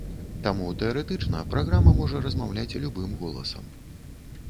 Таму тэарэтычна праграма можа размаўляць любым голасам.